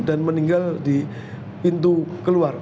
dan meninggal di pintu keluar